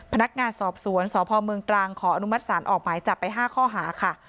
พนักงานสอบสวนสพเมืองตรังขออนุมัติศาลออกหมายจับไป๕ข้อหาค่ะ